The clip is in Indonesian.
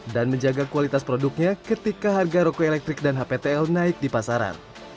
dan menjaga kualitas produknya ketika harga roko elektrik dan hptl naik di pasaran